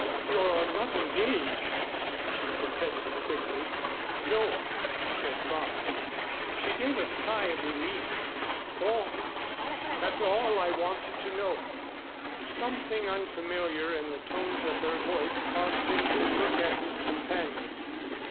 "You're not engaged?" she protested quickly. "No," he said promptly. She gave a sigh of relief. "Oh that's all I wanted to know." Something unfamiliar in the tones of her voice caused him to look at his companion.